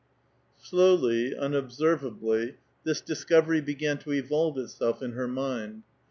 Slowly, unobservably, this discover}* began to evolve itself in her mind.